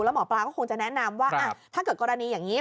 หมอปลาก็คงจะแนะนำว่าถ้าเกิดกรณีอย่างนี้